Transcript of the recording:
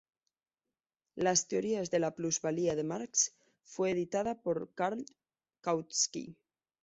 La "Teorías de la plusvalía" de Marx fue editada por Karl Kautsky.